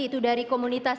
itu dari komunitas